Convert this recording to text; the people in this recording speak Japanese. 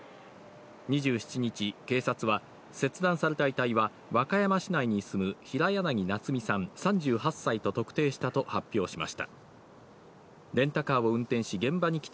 ２７日、警察は切断された遺体は和歌山市内に住む平柳奈都弥さん３８歳と特定したと発表しました。